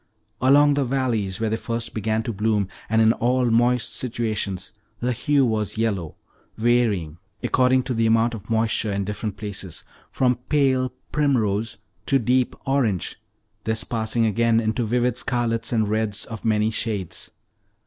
Along the valleys, where they first began to bloom, and in all moist situations, the hue was yellow, varying, according to the amount of moisture in different places, from pale primrose to deep orange, this passing again into vivid scarlet and reds of many shades.